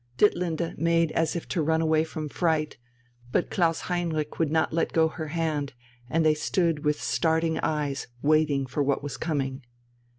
Ditlinde made as if to run away from fright: but Klaus Heinrich would not let go her hand, and they stood with starting eyes waiting for what was coming.